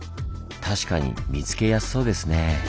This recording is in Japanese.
確かに見つけやすそうですねぇ。